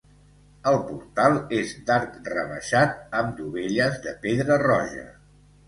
El portal és d'arc rebaixat amb dovelles de pedra roja.